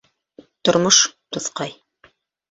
Тормош, дуҫҡай!